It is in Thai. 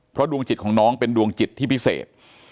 เพราะดวงจิตของน้องเป็นดวงจิตที่พิเศษ